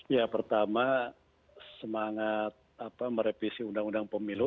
ya pertama semangat merevisi undang undang pemilu